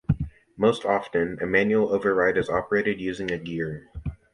Most often, a manual override is operated using a gear.